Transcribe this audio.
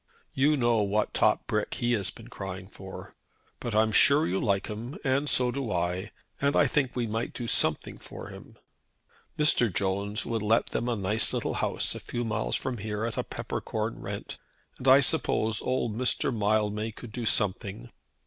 You know what top brick he has been crying for. But I'm sure you like him, and so do I, and I think we might do something for him. Mr. Jones would let them a nice little house a few miles from here at a peppercorn rent; and I suppose old Mr. Mildmay could do something.